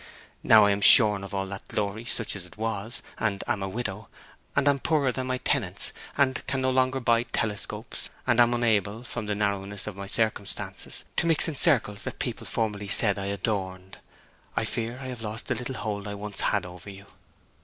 Now I am shorn of all that glory, such as it was, and am a widow, and am poorer than my tenants, and can no longer buy telescopes, and am unable, from the narrowness of my circumstances, to mix in circles that people formerly said I adorned, I fear I have lost the little hold I once had over you.'